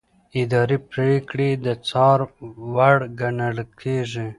اداري پریکړې د څار وړ ګڼل کېږي.